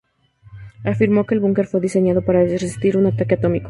Afirmó que el búnker fue diseñado para resistir un ataque atómico.